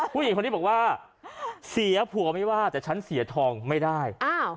ผู้หญิงคนนี้บอกว่าเสียผัวไม่ว่าแต่ฉันเสียทองไม่ได้